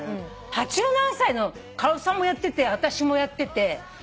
８７歳のカオルさんもやってて私もやってて。